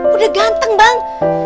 udah ganteng bang